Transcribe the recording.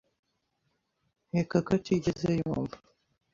nkeka ko atigeze yumva.